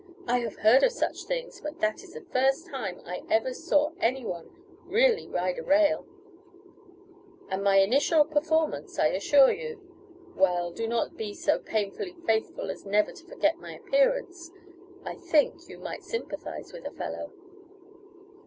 "I have heard of such things, but that is the first time I ever saw any one really ride a rail " "And my initial performance, I assure you. Well, do not be so painfully faithful as never to forget my appearance. I think you might sympathize with a fellow."